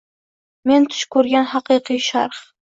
Men tush ko‘rgan haqiqiy Sharq!